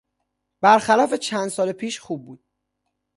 بر خلاف چند سال پیش خوب بود.